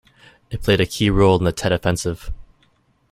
It played a key role in the Tet Offensive.